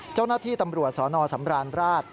เจ้าหน้าที่ตำรวจสนสำราญราช